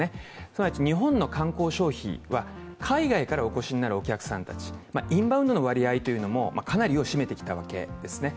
すなわち日本の観光消費は、海外からお越しになるお客さんたちインバウンドの割合もかなり占めてきたわけですね。